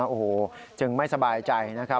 โอ้โหจึงไม่สบายใจนะครับ